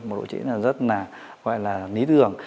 một độ trễ rất là gọi là lý tưởng